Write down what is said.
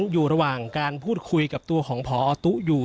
อยู่ระหว่างการพูดคุยกับตัวของพอตุ๊อยู่